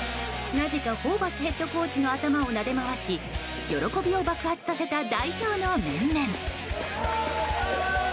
なぜかホーバスヘッドコーチの頭をなで回し喜びを爆発させた代表の面々。